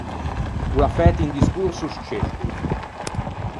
O l’à fæto un discorso sccetto.